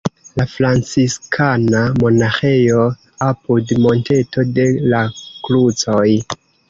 La franciskana monaĥejo apud Monteto de la Krucoj.